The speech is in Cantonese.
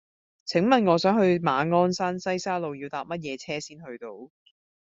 請問我想去馬鞍山西沙路要搭乜嘢車先去到